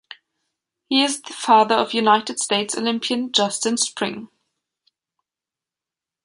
He is the father of United States Olympian Justin Spring.